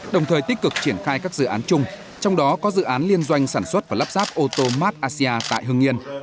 đồng thời tích cực triển khai các dự án chung trong đó có dự án liên doanh sản xuất và lắp ráp ô tô mad asia tại hương yên